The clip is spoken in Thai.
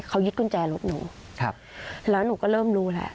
เขายึดกุญแจรถหนูแล้วหนูก็เริ่มรู้แล้ว